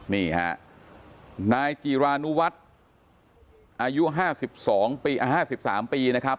นี่ฮะนายจีรานุวัฒต์อายุห้าสิบสองปีอ่าห้าสิบสามปีนะครับ